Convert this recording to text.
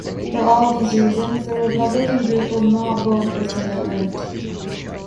For all these reasons, the Republican group will not vote this amendment.